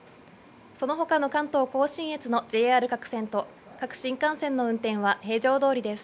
そのほかの関東甲信越のＪＲ各線と各新幹線の運転は平常どおりです。